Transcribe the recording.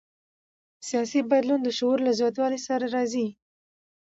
سیاسي بدلون د شعور له زیاتوالي سره راځي